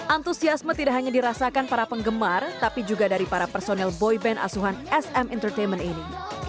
antusiasme tidak hanya dirasakan para penggemar tapi juga dari para personel boyband asuhan sm entertainment ini